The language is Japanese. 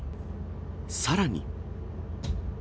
さらに。